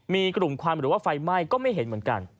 มีกลุ่มควันหรือว่าไฟไหม้ก็ไม่เห็นเหมือนกัน